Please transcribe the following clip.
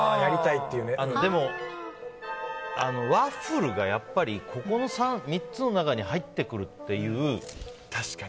でも、ワッフルがやっぱりここの３つの中に入ってくるっていう。